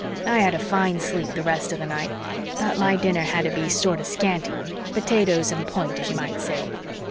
I had a fine sleep the rest of the night but my dinner had to be sorter scanty potatoes and point, as you might say.